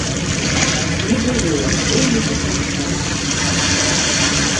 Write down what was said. Не было, бо не запрашалі.